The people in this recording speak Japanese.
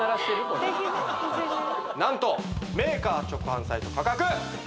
これ何とメーカー直販サイト価格！